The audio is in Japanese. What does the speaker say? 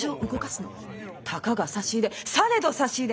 たかが差し入れされど差し入れ。